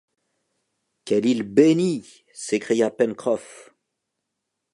Quelle île bénie! s’écria Pencroff !